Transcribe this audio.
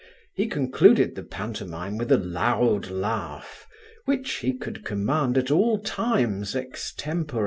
He concluded the pantomime with a loud laugh, which he could command at all times extempore.